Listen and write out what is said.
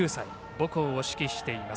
母校を指揮しています